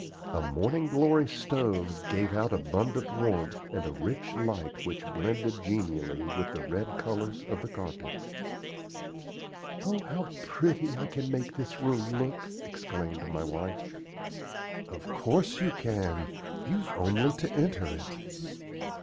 A Morning Glory stove gave out abundant warmth and a rich light which blended genially with the red colors of the carpet. "Oh, how pretty I can make this room look!" exclaimed my wife. "Of course you can: you've only to enter it."